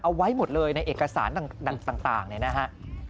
เอาไว้หมดเลยในเอกสารต่างที่นะครับ